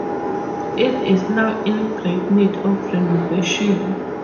It is now in great need of renovation.